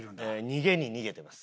逃げに逃げてます。